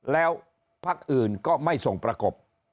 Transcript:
แล้วพักอื่นก็ไม่ส่งประกบ